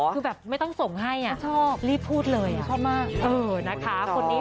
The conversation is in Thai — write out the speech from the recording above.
คือแบบไม่ต้องส่งให้อ่ะรีบพูดเลยอ่ะคุณจอร์ด